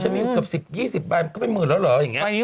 ฉันมีเกือบ๑๐๒๐ใบก็เป็นหมื่นแล้วเหรออย่างนี้